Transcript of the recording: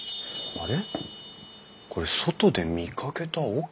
あれ？